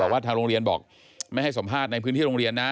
แต่ว่าทางโรงเรียนบอกไม่ให้สัมภาษณ์ในพื้นที่โรงเรียนนะ